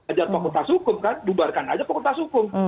ajar pokok tas hukum kan bubarkan aja pokok tas hukum